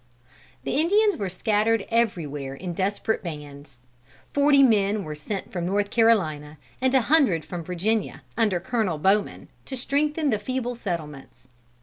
The Indians were scattered everywhere in desperate bands. Forty men were sent from North Carolina and a hundred from Virginia, under Colonel Bowman, to strengthen the feeble settlements.